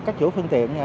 các chủ phương tiện